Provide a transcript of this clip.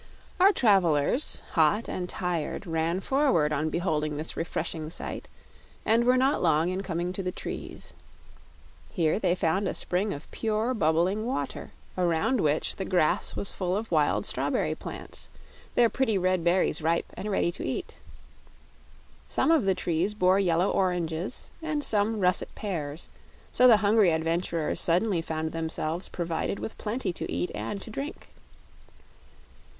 Our travelers, hot and tired, ran forward on beholding this refreshing sight and were not long in coming to the trees. Here they found a spring of pure bubbling water, around which the grass was full of wild strawberry plants, their pretty red berries ripe and ready to eat. Some of the trees bore yellow oranges and some russet pears, so the hungry adventurers suddenly found themselves provided with plenty to eat and to drink.